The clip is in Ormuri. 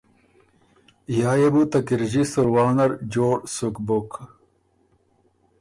که یا يې بُو ته کِرݫی سُروا نر جوړ سُک بُک